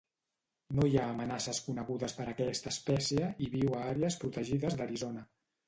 No hi ha amenaces conegudes per a aquesta espècie i viu a àrees protegides d'Arizona.